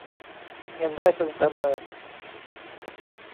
เงินได้พึงประเมิน